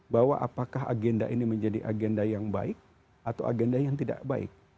bahwa apakah agenda ini menjadi agenda yang baik atau agenda yang tidak baik